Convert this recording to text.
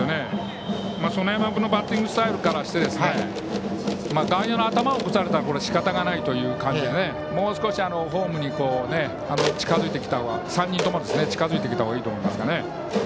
園山君のバッティングスタイルからして外野の頭を越すなら仕方ないという感じでもう少しホームに３人とも近づいてきた方がいいと思いますね。